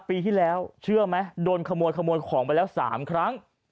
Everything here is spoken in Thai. ปีที่แล้วเชื่อไหมโดนขโมยขโมยของไปแล้ว๓ครั้ง